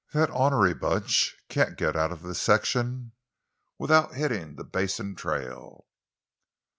That ornery bunch can't git out of this section without hittin' the basin trail!"